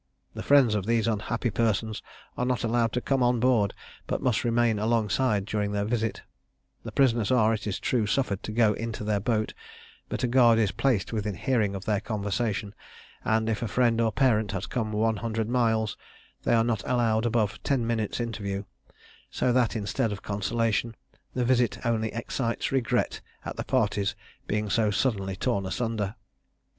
The friends of these unhappy persons are not allowed to come on board, but must remain alongside during their visit; the prisoners are, it is true, suffered to go into their boat, but a guard is placed within hearing of their conversation; and if a friend or parent has come one hundred miles, they are not allowed above ten minutes' interview: so that, instead of consolation, the visit only excites regret at the parties being so suddenly torn asunder.